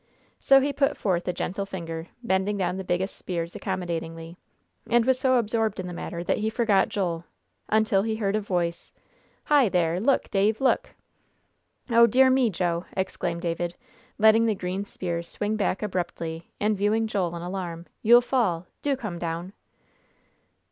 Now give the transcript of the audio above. So he put forth a gentle finger, bending down the biggest spears accommodatingly, and was so absorbed in the matter that he forgot Joel, until he heard a voice, "Hi, there; look, Dave, look!" "O dear me, Joe!" exclaimed David, letting the green spears swing back abruptly, and viewing Joel in alarm, "you'll fall. Do come down."